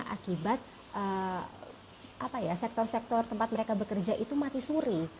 akibat sektor sektor tempat mereka bekerja itu mati suri